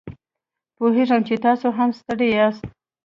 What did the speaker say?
پوهیږو چې تاسو هم ستړي یاست